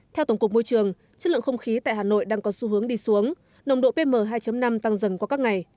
theo tổng cục môi trường chất lượng không khí tại hà nội đang có xu hướng đi xuống nồng độ pm hai năm tăng dần qua các ngày